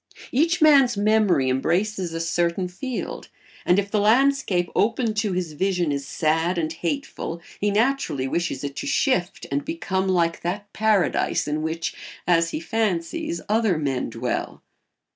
Each man's memory embraces a certain field, and if the landscape open to his vision is sad and hateful he naturally wishes it to shift and become like that paradise in which, as he fancies, other men dwell.